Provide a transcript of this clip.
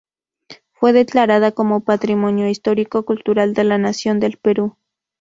Fue declarada como Patrimonio Histórico Cultural de la Nación del Perú.